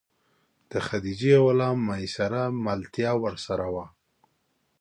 د خدیجې غلام میسره ملتیا ورسره وه.